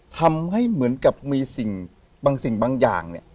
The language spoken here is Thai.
ทำให้เหมือนกับมีสิ่งบางสิ่งบางอย่างเนี่ย